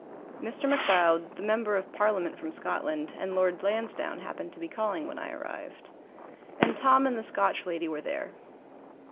Mr. MacLeod, the member of Parliament from Scotland, and Lord Lansdowne happened to be calling when I arrived, and Tom and the Scotch lady were there.